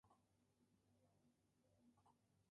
Actualmente está participando en numerosas telenovelas.